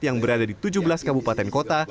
yang berada di tujuh belas kabupaten kota